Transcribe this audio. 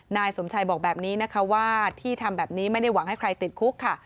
นายสมชัยบอกแบบนี้นะคะว่าที่ทำแบบนี้ไม่ได้หวังให้ใครติดคุกค่ะ